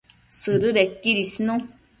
Sëdëdequid isnu